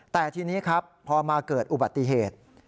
แต่ทีนี้ครับพอมาเกิดอุบัติเหตุ